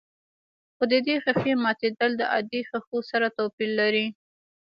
خو د دې ښيښې ماتېدل د عادي ښيښو سره توپير لري.